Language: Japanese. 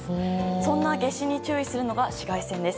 そんな夏至の時期に注意するのが紫外線です。